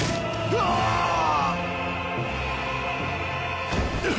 ああっ。